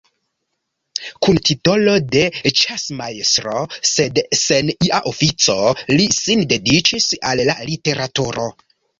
Kun titolo de ĉasmajstro, sed sen ia ofico, li sin dediĉis al la literaturo.